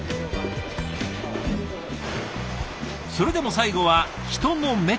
それでも最後は人の目と手で。